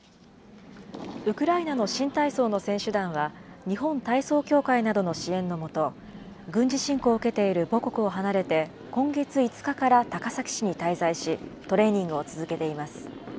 ウクライナの新体操の選手団は、日本体操協会などの支援の下、軍事侵攻を受けている母国を離れて、今月５日から高崎市に滞在し、トレーニングを続けています。